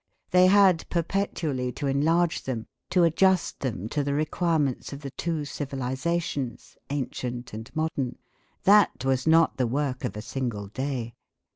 They had perpetually to enlarge them, to adjust them to the requirements of the two civilisations, ancient and modern. That was not the work of a single day.